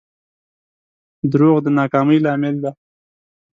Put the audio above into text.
دروغ د ناکامۍ لامل دي.